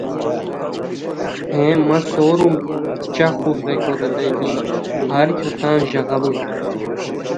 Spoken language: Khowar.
ہیں مہ سوروم چخور! ریکو ریتائے کی ہر کھیو تان ژاغہ بوئے،